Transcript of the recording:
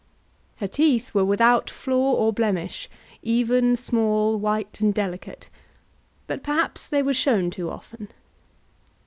Her teeth were without flaw or blemish, even, small, white, and delicate; but perhaps they were shown too often.